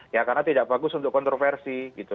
ya karena tidak bagus untuk kontroversi gitu